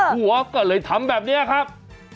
หัวก็เลยทำแบบนี้ครับ